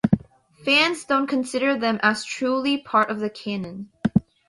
Fans don't consider them as truly part of the canon.